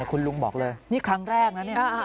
คุณลุงบอกเลยนี่ครั้งแรกนะเนี่ย